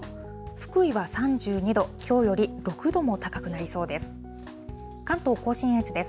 福井は３２度、きょうより６度も高くなりそうです。